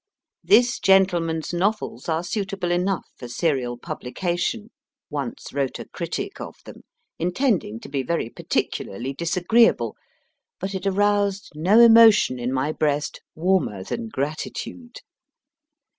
This gentleman s novels are suitable enough for serial publication, once wrote a critic of them, intending to be very particularly disagreeable, but it aroused no emotion in my breast warmer than gratitude.